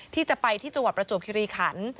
ที่จะไปที่จังหวัดประจวบคิริขัน